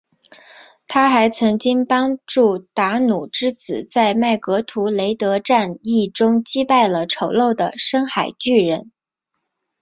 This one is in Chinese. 她还曾经帮助达努之子在麦格图雷德战役中击败了丑陋的深海巨人。